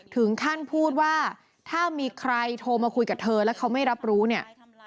ถึงขั้นพูดว่าถ้ามีใครโทรมาคุยกับเธอแล้วเขาไม่รับรู้เนี่ย